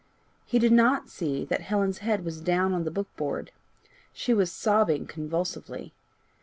He did not see that Helen's head was down on the book board. She was sobbing convulsively.